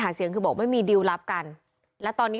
ถามเพื่อให้แน่ใจ